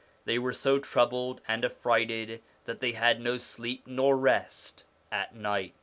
They were so troubled and affrighted that they had no sleep nor rest at night.